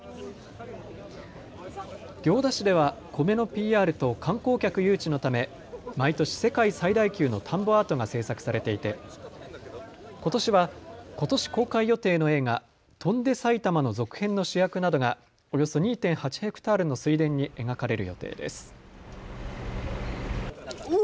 行田市では米のＰＲと観光客誘致のため毎年、世界最大級の田んぼアートが制作されていてことしは、ことし公開予定の映画、翔んで埼玉の続編の主役などがおよそ２．８ヘクタールの水田に描かれる予定です。